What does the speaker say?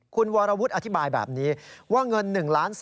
คุณวรวุฒิอธิบายแบบนี้ว่าเงิน๑๓๐๐